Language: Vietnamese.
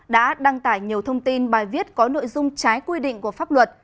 đã đăng tải nhiều thông tin bài viết có nội dung trái quy định của pháp luật